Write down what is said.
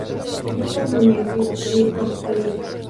A muchos se les negó formalmente el permiso de salida.